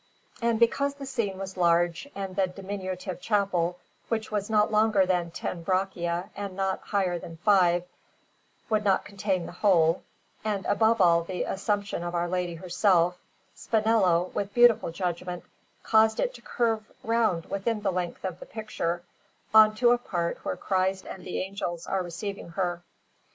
And because the scene was large and the diminutive chapel, which was not longer than ten braccia and not higher than five, would not contain the whole, and above all the Assumption of Our Lady herself, Spinello, with beautiful judgment, caused it to curve round within the length of the picture, on to a part where Christ and the Angels are receiving her.